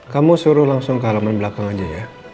kamu suruh langsung ke halaman belakang aja ya